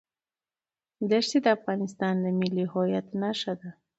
ښتې د افغانستان د ملي هویت نښه ده.